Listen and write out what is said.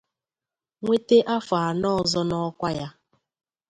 nwete afọ anọ ọzọ n’ọkwa ya.